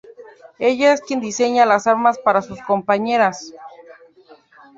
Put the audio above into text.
Ella es quien diseña las armas para sus compañeras.